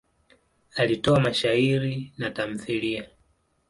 Alitoa mashairi na tamthiliya.